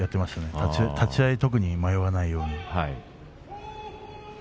特に、立ち合い迷わないように。